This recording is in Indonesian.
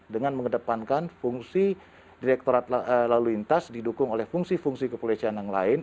dengan mengedepankan fungsi direkturat lalu lintas didukung oleh fungsi fungsi kepolisian yang lain